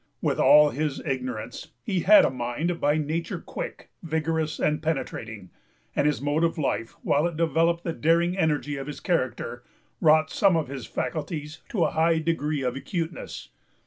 With all his ignorance, he had a mind by nature quick, vigorous, and penetrating; and his mode of life, while it developed the daring energy of his character, wrought some of his faculties to a high degree of acuteness.